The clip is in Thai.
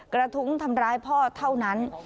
กระทุ้งทำร้ายพ่อเท่านั้น